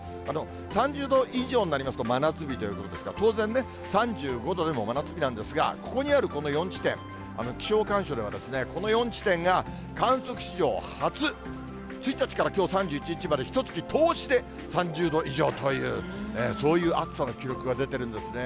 ３０度以上になりますと、真夏日ということですから、当然ね、３５度でも真夏日なんですが、ここにある、この４地点、気象観測ではこの４地点が観測史上初、１日から、きょう３１日までひとつき通して３０度以上という、そういう暑さの記録が出ているんですね。